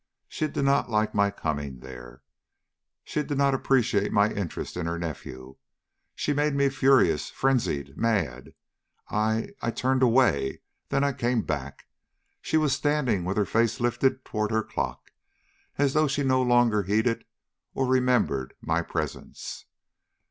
She did not like my coming there. She did not appreciate my interest in her nephew. She made me furious, frenzied, mad. I I turned away then I came back. She was standing with her face lifted toward her clock, as though she no longer heeded or remembered my presence.